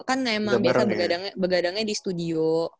kan emang biasa begadangnya di studio